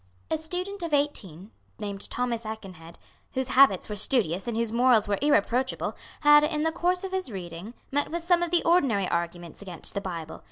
A student of eighteen, named Thomas Aikenhead, whose habits were studious and whose morals were irreproachable, had, in the course of his reading, met with some of the ordinary arguments against the Bible.